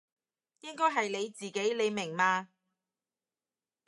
應該係你自己，你明嘛？